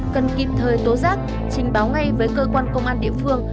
cần kịp thời tố giác trình báo ngay với cơ quan công an địa phương